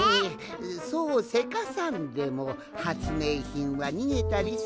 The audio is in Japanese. そうせかさんでもはつめいひんはにげたりせんわい。